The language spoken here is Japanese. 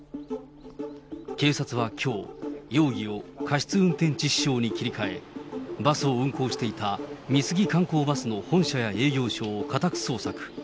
警察はきょう、容疑を過失運転致死傷に切り替え、バスを運行していた美杉観光バスの本社や営業所を家宅捜索。